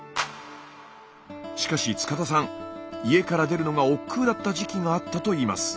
しかし塚田さん家から出るのがおっくうだった時期があったといいます。